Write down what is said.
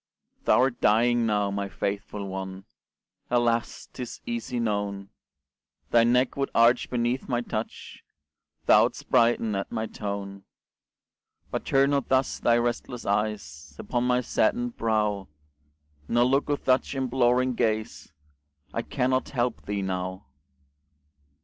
Thou'rt dying now, my faithful one, Alas! 'tis easy known Thy neck would arch beneath my touch, Thou'dst brighten at my tone; But turn not thus thy restless eyes Upon my saddened brow, Nor look with such imploring gaze I cannot help thee now.